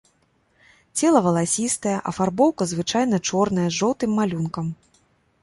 Цела валасістае, афарбоўка звычайна чорная з жоўтым малюнкам.